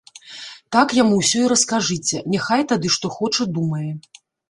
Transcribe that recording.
Так яму ўсё і раскажыце, няхай тады што хоча думае.